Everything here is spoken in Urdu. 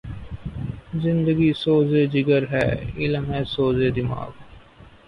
زندگی سوز جگر ہے ،علم ہے سوز دماغ